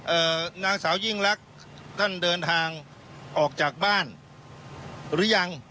นางสาวยิ่งลักษณ์ท่านเดินทางออกจากบ้านหรือยัง